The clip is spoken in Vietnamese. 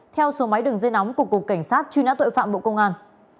theo số máy đường dây nóng của cục cảnh sát truy nã tội phạm bộ công an